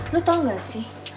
lo tau gak sih